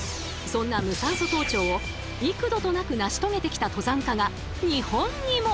そんな無酸素登頂を幾度となく成し遂げてきた登山家が日本にも！